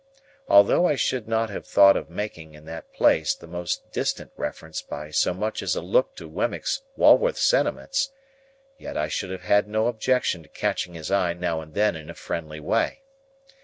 Although I should not have thought of making, in that place, the most distant reference by so much as a look to Wemmick's Walworth sentiments, yet I should have had no objection to catching his eye now and then in a friendly way.